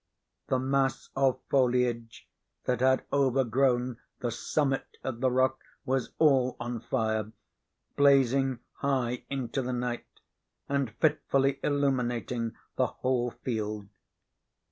The mass of foliage that had overgrown the summit of the rock was all on fire, blazing high into the night and fitfully illuminating the whole field.